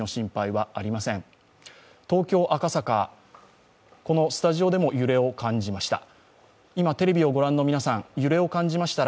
東京・赤坂、このスタジオでも揺れを感じました。